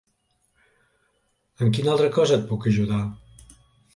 En quina altra cosa et puc ajudar?